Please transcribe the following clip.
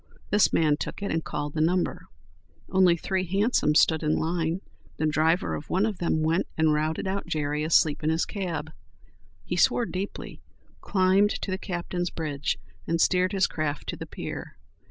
This man took it, and called the number. Only three hansoms stood in line. The driver of one of them went and routed out Jerry asleep in his cab. He swore deeply, climbed to the captain's bridge and steered his craft to the pier.